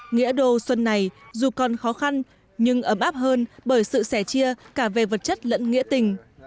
nghĩa đô xuân này dù còn khó khăn nhưng ấm áp hơn bởi sự sẻ chia cả về vật chất lẫn nghĩa tình